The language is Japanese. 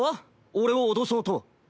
俺を脅そうと。